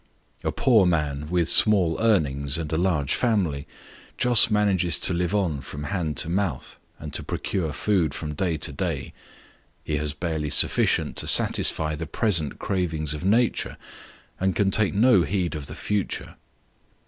A poor man, with small earnings, and a largo family, just manages to live on from hand to mouth, and to procure food from day to day ; he has barely sufficient to satisfy the present cravings of nature, and can take no heed of the future.